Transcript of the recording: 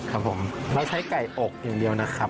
ครับผมเราใช้ไก่อกอย่างเดียวนะครับ